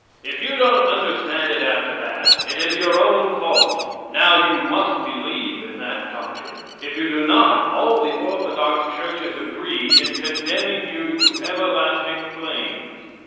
"] If you don't understand it after that, it is you own fault. Now, you must believe in that doctrine. If you do not, all the orthodox churches agree in condemning you to everlasting flames.